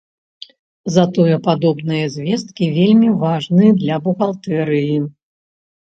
Затое падобныя звесткі вельмі важныя для бухгалтэрыі.